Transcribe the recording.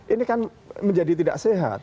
ini kan menjadi tidak sehat